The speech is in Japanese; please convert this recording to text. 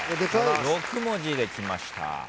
６文字できました。